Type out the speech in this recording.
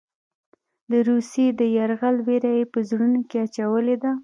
د روسیې د یرغل وېره یې په زړونو کې اچولې ده.